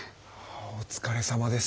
お疲れさまです。